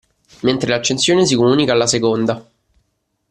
Mentre l'accensione si comunica alla seconda.